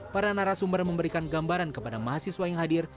para narasumber memberikan gambaran kepada mahasiswa yang hadir